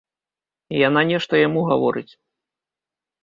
Яна нешта яму гаворыць.